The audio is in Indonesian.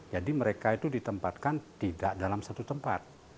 jadi mereka itu ditempatkan tidak dalam satu tempat